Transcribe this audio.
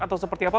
atau seperti apa